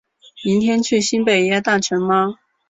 明天去新北耶诞城吗？